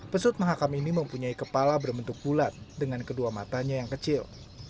pesut mahakam ini mempunyai kepala berbentuk bulat dengan kedua matanya yang kecil